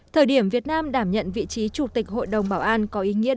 thời điểm việt nam đảm nhận vị trí chủ tịch hội đồng bảo an